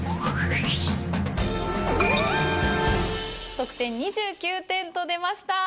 得点２９点と出ました。